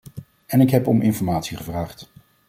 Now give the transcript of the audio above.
En ik heb om informatie gevraagd.